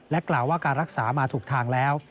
กล่าวว่าการรักษามาถูกทางแล้ว